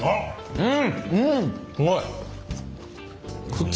うん！